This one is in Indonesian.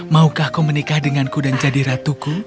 maukah kau menikah denganku dan jadi ratuku